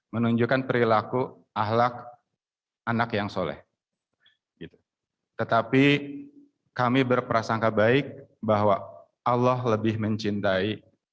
menunjukkan perilaku ahlak anak yang soleh tetapi kami berprasangka baik bahwa allah lebih mencintai